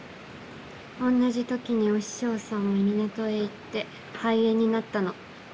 同じ時にお師匠さんも港へ行って肺炎になったの。